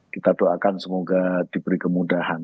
kita doakan semoga diberi kemudahan